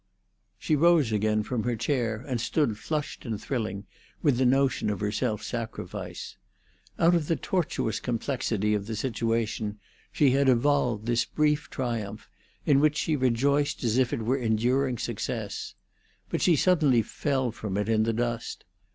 She rose again from her chair, and stood flushed and thrilling with the notion of her self sacrifice. Out of the tortuous complexity of the situation she had evolved this brief triumph, in which she rejoiced as if it were enduring success. But she suddenly fell from it in the dust.